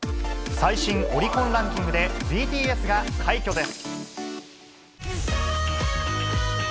最新オリコンランキングで、ＢＴＳが快挙です。